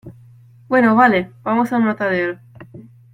bueno, vale , vamos al matadero.